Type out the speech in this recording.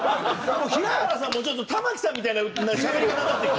平原さんもちょっと玉置さんみたいなしゃべり方になってきた。